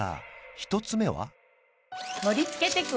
１つ目は？